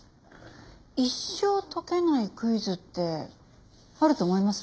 一生解けないクイズってあると思います？